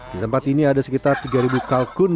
di tempat ini ada sekitar tiga kalkun